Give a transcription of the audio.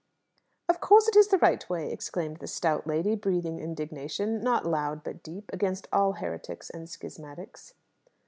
"Of course, it is the right way," exclaimed the stout lady, breathing indignation, not loud but deep, against all heretics and schismatics.